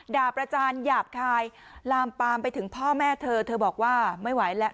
ประจานหยาบคายลามปามไปถึงพ่อแม่เธอเธอบอกว่าไม่ไหวแล้ว